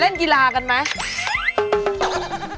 เล่นกีฬากันไหม